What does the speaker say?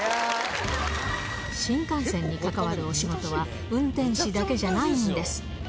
新幹線に関わるお仕事は、運転士だけじゃないんです。